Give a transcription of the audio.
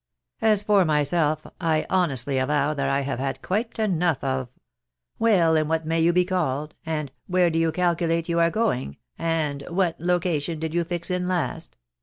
As for myself, I honestly avow that I have had quite enough of —' Well, and what may you be called ?' and ' Where do you calcu late you are going,' and ' What location did you fix in last?'